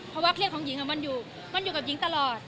เพราะว่าเครียดของหญิงมันอยู่กับหญิงตลอด